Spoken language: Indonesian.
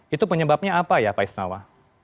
itu penyebabnya apa ya pak isnawa